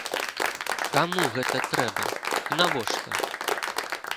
Каму гэта трэба і навошта?